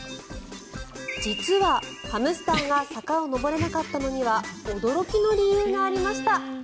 実はハムスターが坂を上れなかったのには驚きの理由がありました。